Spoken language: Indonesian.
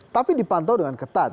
tapi dipantau dengan ketat